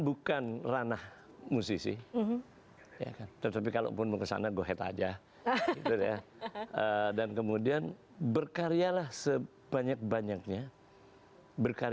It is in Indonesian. dengan yang masih berrelasi dengan generasi om idang di industri musik tanah air